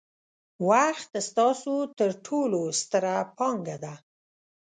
وخت ستاسو ترټولو ستره پانګه ده.